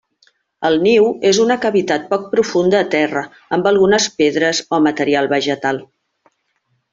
El niu és una cavitat poc profunda a terra, amb algunes pedres o material vegetal.